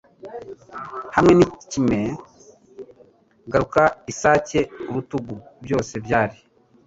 Hamwe n'ikime, garuka, isake ku rutugu: byose byari